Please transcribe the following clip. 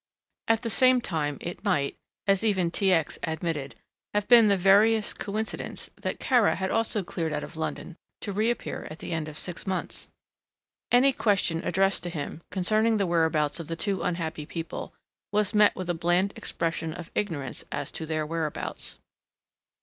At the same time it might, as even T. X. admitted, have been the veriest coincidence that Kara had also cleared out of London to reappear at the end of six months. Any question addressed to him, concerning the whereabouts of the two unhappy people, was met with a bland expression of ignorance as to their whereabouts.